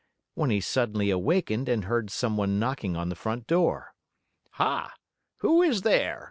when he suddenly awakened and heard some one knocking on the front door. "Ha! Who is there?